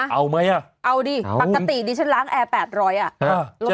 เอาไหมอ่ะเอาดิปกติดิฉันล้างแอร์๘๐๐อ่ะ